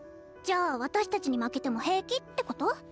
じゃあ私たちに負けても平気ってこと？